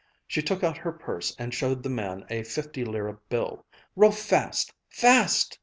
She took out her purse and showed the man a fifty lire bill. "Row fast! Fast!"